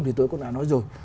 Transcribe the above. thì tôi cũng đã nói rồi